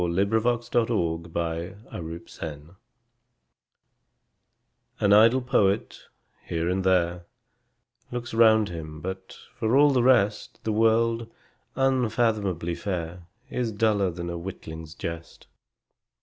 Coventry Patmore The Revelation AN idle poet, here and there, Looks round him, but, for all the rest, The world, unfathomably fair, Is duller than a witling's jest.